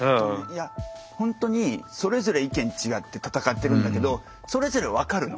いやほんとにそれぞれ意見違って戦ってるんだけどそれぞれ分かるの。